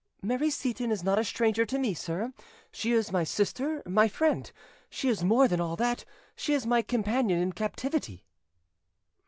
"Mary Seyton is not a stranger to me, Sir: she is my sister, my friend; she is more than all that, she is my companion in captivity."